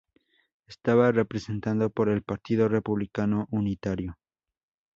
Estaba representado por el Partido Republicano Unitario.